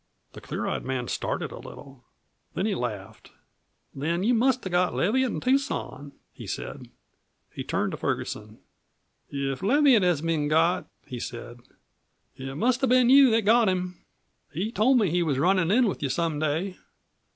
The clear eyed man started a little. Then he laughed. "Then you must have got Leviatt an' Tucson," he said. He turned to Ferguson. "If Leviatt has been got," he said, "it must have been you that got him. He told me he was runnin' in with you some day.